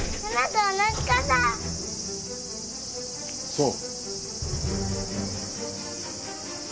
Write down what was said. そう。